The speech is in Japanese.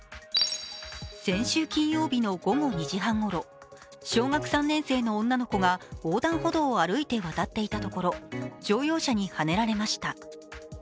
先週金曜日の午後２時半ごろ小学３年生の女の子が横断歩道を歩いて渡っていたところ、乗用車にはねられました。